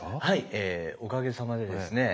おかげさまでですね